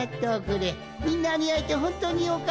みんなにあえてほんとによかったぞい。